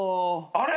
あれ？